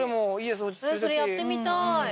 それ、やってみたい。